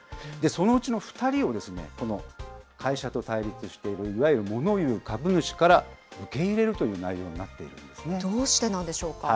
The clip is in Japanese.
そのうちの２人を、会社と対立している、いわゆるモノ言う株主から受け入れるという内容になってどうしてなんでしょうか。